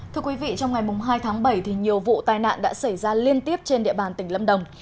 thưa quý vị trong ngày hai tháng bảy nhiều vụ tai nạn đã xảy ra liên tiếp trên địa bàn tỉnh lâm đồng